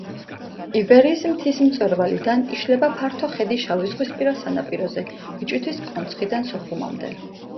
ივერიის მთის მწვერვალიდან იშლება ფართო ხედი შავიზღვისპირა სანაპიროზე: ბიჭვინთის კონცხიდან სოხუმამდე.